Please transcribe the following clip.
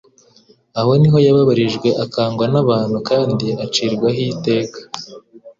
Aho ni ho yababarijwe, akangwa n'abantu kandi acirwaho iteka.